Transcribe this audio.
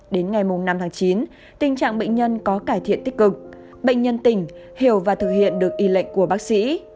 đến ngày năm tháng chín tình trạng bệnh nhân có cải thiện tích cực bệnh nhân tỉnh hiểu và thực hiện được y lệnh của bác sĩ